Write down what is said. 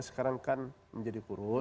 sekarang kan menjadi kurus